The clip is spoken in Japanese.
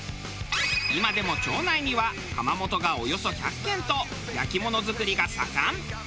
今でも町内には窯元がおよそ１００軒と焼き物作りが盛ん。